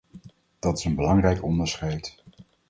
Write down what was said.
Dat is een belangrijk onderscheid.